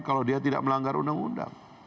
kalau dia tidak melanggar undang undang